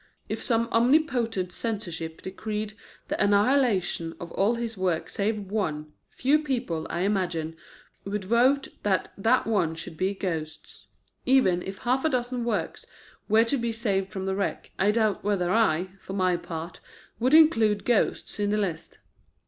If some omnipotent Censorship decreed the annihilation of all his works save one, few people, I imagine, would vote that that one should be Ghosts. Even if half a dozen works were to be saved from the wreck, I doubt whether I, for my part, would include Ghosts in the list.